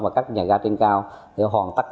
và các nhà ga trên cao để hoàn tất